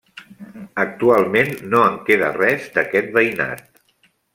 Actualment no en queda res, d'aquest veïnat.